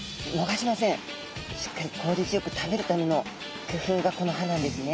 しっかり効率よく食べるためのくふうがこの歯なんですね。